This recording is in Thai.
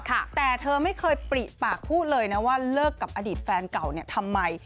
แต่เธอไม่เคยปริปากพูดเลยนะว่าเลิกกับอดีตแฟนเก่าเนี่ยทำไม